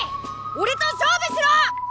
俺と勝負しろ！